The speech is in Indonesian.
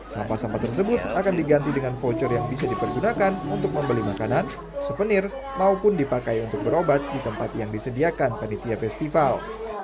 sampah sampah tersebut akan diganti dengan voucher yang bisa dipergunakan untuk membeli makanan souvenir maupun dipakai untuk berobat di tempat yang disediakan panitia festival